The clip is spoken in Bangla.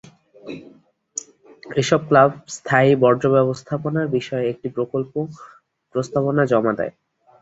এসব ক্লাব স্থায়ী বর্জ্য ব্যবস্থাপনার বিষয়ে একটি করে প্রকল্প প্রস্তাবনা জমা দেয়।